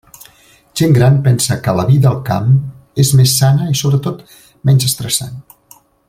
Gent gran pensa que la vida al camp és més sana i sobretot menys estressant.